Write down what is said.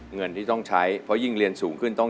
เงินที่ต้องใช้เพราะยิ่งเรียนสูงขึ้น